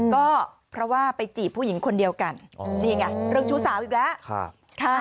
ก็เพราะว่าไปจีบผู้หญิงคนเดียวกันนี่ไงเรื่องชู้สาวอีกแล้ว